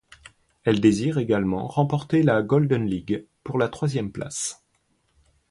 Elle désire également remporter la Golden League pour la troisième place.